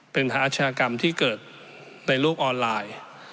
เป็นหาอาชญากรรมที่เกิดในโลกออนไลน์